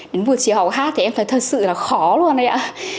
đến buổi chiều học hát thì em thấy thật sự là khó luôn đấy ạ